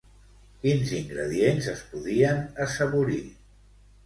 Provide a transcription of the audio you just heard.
Quins ingredients es podien assaborir?